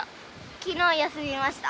昨日休みました。